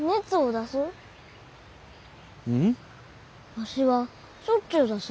わしはしょっちゅう出す。